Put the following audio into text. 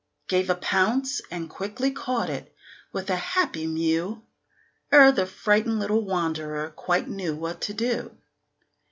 Gave a pounce, and quickly caught it, with a happy mew, Ere the frightened little wanderer quite knew what to do.